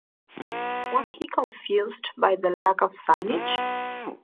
Was he confused by the lack of signage?